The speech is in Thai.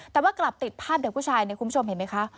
แต่ว่ากลับติดภาพเด็กผู้ชายเนี่ยคุณผู้ชมเห็นไหมคะ